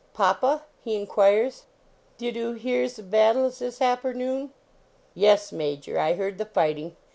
" Papa," he inquires, "did oo hear ze bat tle zis appernoon?" " Yes, Major; I heard the fighting.